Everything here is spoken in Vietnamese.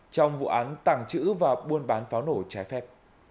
trong vụ án tẳng chữ và buôn bán pháo nổ trái phép